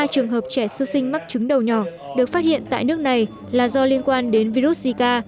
trẻ sức sinh mắc chứng đầu nhỏ được phát hiện tại nước này là do liên quan đến virus zika